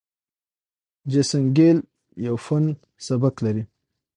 جیسن ګیل یو فن سبک لري.